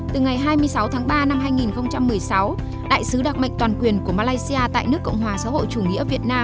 từ ngày hai mươi sáu tháng ba năm hai nghìn một mươi sáu đại sứ đặc mệnh toàn quyền của malaysia tại nước cộng hòa xã hội chủ nghĩa việt nam